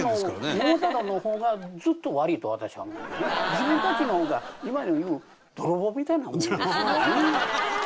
自分たちの方が今で言う泥棒みたいなもんですよね。